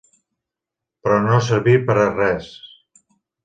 Però no serví per a res.